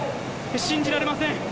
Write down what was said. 信じられません。